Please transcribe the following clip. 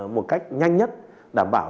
một cách đảm bảo